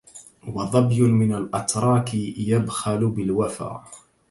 وظبي من الأتراك يبخل بالوفا